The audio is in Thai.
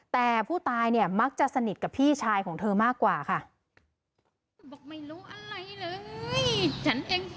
แต่ผู้ตายเนี่ยมักจะสนิทกับพี่ชายของเธอมากกว่าค่ะ